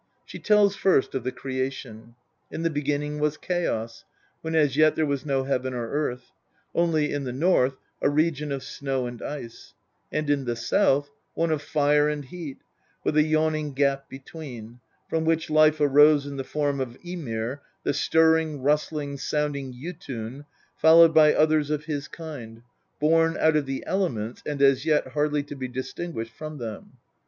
She tells first of the creation. In the beginning was chaos, when as yet there was no heaven or earth only, in the north, a region of snow and ice ; and, in the south, one of fire and heat, with a yawning gap between, from which life arose in the form of Ymir, the stirring, rustling, sounding Jotun, followed by others of his kind, born out of the elements, and as yet hardly to be distinguished from them.